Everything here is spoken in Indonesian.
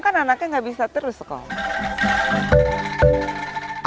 kan anaknya nggak bisa terus sekolah